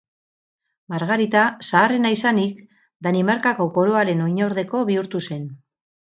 Margarita zaharrena izanik Danimarkako Koroaren oinordeko bihurtu zen.